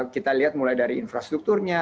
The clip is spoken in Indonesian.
kita lihat mulai dari infrastrukturnya